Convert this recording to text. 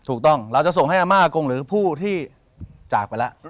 เราจะส่งให้อาม่ากงหรือผู้ที่จากไปแล้ว